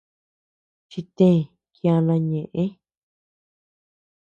Chitee kiana ñeʼë.